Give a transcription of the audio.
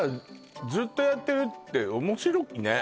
ずっとやってるって面白いね